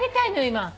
今。